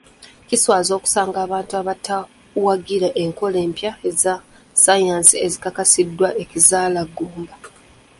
Kiswaza okusanga abantu abatawagira enkola empya ezasaayansi ezikakasiddwa ez'ekizaalaggumba.